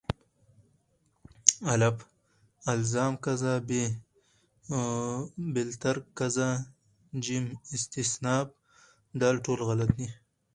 الف: الزام قضا ب: باالترک قضا ج: استیناف د: ټول غلط دي